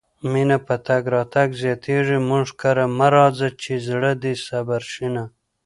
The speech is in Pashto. مينه په تګ راتګ زياتيږي مونږ کره مه راځه چې زړه دې صبر شينه